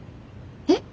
えっ。